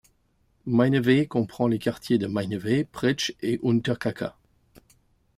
Meineweh comprend les quartiers de Meineweh, Pretzsch et Unterkaka.